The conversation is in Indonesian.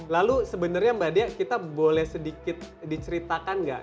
lalu sebenarnya mbak dea kita boleh sedikit diceritakan nggak